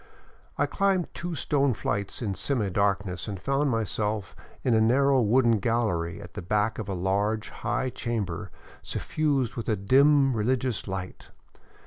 I climbed two stone flights in semi darkness and found myself in a narrow wooden gallery at the back of a large, high chamber suf fused with a " dim religious light."